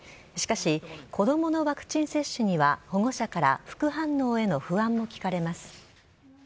しかし、子どものワクチン接種には保護者から副反応への不安も聞かれます。